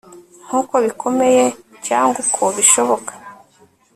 Nkuko bikomeye cyangwa uko bishoboka